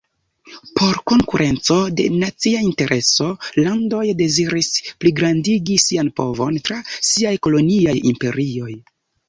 Por konkurenco de nacia intereso, landoj deziris pligrandigi sian povon tra siaj koloniaj imperioj.